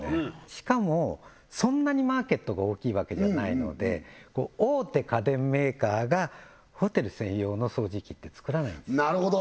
しかもそんなにマーケットが大きいわけじゃないので大手家電メーカーがホテル専用の掃除機って作らないんですなるほど！